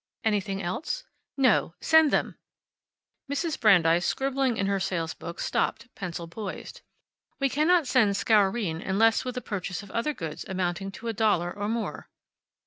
"Anything else?" "No. Send them." Mrs. Brandeis, scribbling in her sales book, stopped, pencil poised. "We cannot send Scourine unless with a purchase of other goods amounting to a dollar or more."